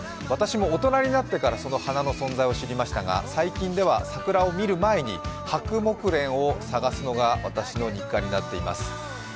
私も大人になってからその花の存在を知りましたが最近では桜を見る前にハクモクレンを探すのが私の日課になっています。